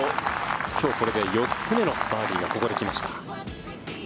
今日これで４つ目のバーディーがここで来ました。